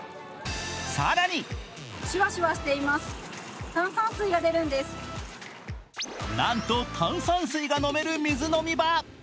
更になんと炭酸水が飲める水飲み場。